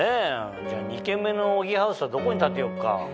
じゃあ２軒目の小木ハウスはどこに建てよっか？